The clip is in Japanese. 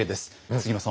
杉野さん